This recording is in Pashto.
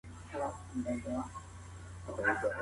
زه به سبا د درسونو لپاره ليکنه کوم وم.